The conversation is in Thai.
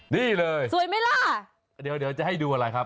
นี่เลยสวยไหมล่ะเดี๋ยวจะให้ดูอะไรครับ